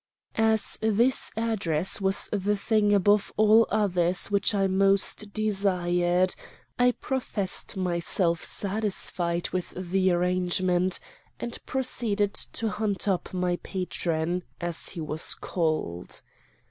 "As this address was the thing above all others which I most desired, I professed myself satisfied with the arrangement, and proceeded to hunt up my patron, as he was called.